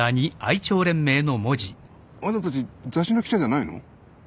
あんたたち雑誌の記者じゃないの？